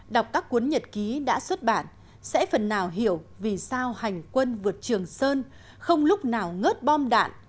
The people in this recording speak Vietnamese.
đọc các cuốn nhật ký đã xuất bản sẽ phần nào hiểu vì sao hành quân vượt trường sơn không lúc nào ngớt bom đạn